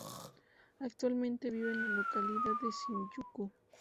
Actualmente vive en la localidad de Shinjuku.